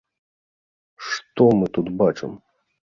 Што мы тут бачым?